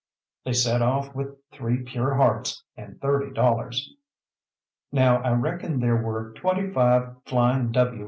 They set off with three pure hearts, and thirty dollars. Now I reckon there were twenty five Flying W.